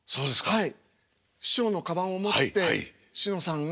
はい。